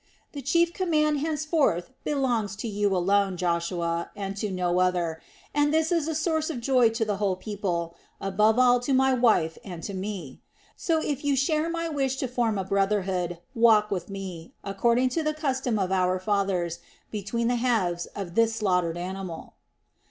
The chief command henceforth belongs to you alone, Joshua, and to no other, and this is a source of joy to the whole people, above all to my wife and to me. So if you share my wish to form a brotherhood, walk with me, according to the custom of our fathers, between the halves of this slaughtered animal."